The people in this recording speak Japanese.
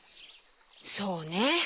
そうね。